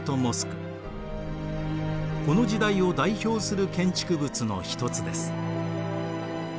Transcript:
この時代を代表する建築物の一つです。